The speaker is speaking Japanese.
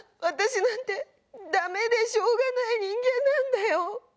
私なんてダメでしょうがない人間なんだよ。